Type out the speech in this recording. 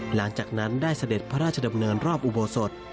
หลังจากนั้นได้เสด็จพระราชดำเนินรอบอุโบสถ